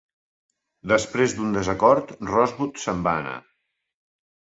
Després d'un desacord, Rosbaud se'n va anar.